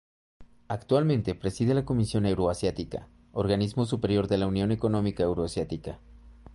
Actualmente preside la Comisión Euroasiática, organismo superior de la Unión Económica Euroasiática.